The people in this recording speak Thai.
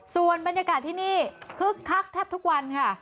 ส่วนบรรยากาศที่นี่คึกคักแทบทุกวันค่ะ